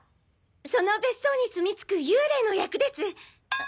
その別荘に棲み付く幽霊の役です。